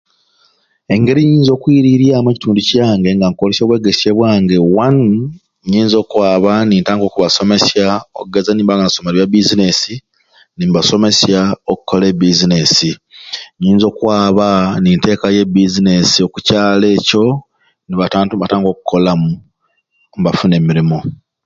Engeri jenyinza okwiriryamu ekutundu kyange nina kolesya obwegesye bwange, waanu nyinza okwaba nintandika okubasomesya okugeza ninba nga nasomere bya bizinensi nimbasomesya okola ebizinensi, nyinza okwaba nintekayo ebizinensi okukyalo ekyo nibata abantu nibatandika okukolamu mbafuna emirimo.